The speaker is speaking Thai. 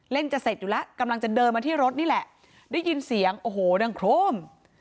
จะเสร็จอยู่แล้วกำลังจะเดินมาที่รถนี่แหละได้ยินเสียงโอ้โหดังโครม